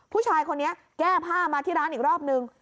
ผู้ชายคนนี้แก้ผ้ามาที่ร้านอีกรอบนึง